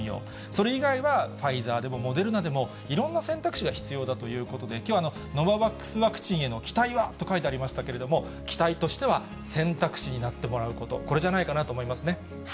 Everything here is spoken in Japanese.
それ以外は、ファイザーでもモデルナでも、いろんな選択肢が必要だということで、きょうは、ノババックスワクチンへの期待は？と書いてありましたけれども、期待としては、選択肢になってもらうこと、これじゃないかなと思いますね。